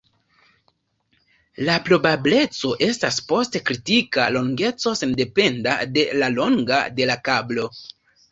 La probableco estas post kritika longeco sendependa de la longo de la kablo.